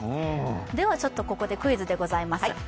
ではここでクイズでございます。